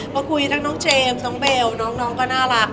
พอคุยทั้งน้องเจมส์น้องเบลน้องก็น่ารัก